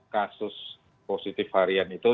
kasus positif harian itu